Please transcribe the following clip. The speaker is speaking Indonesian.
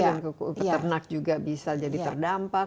dan peternak juga bisa jadi terdampak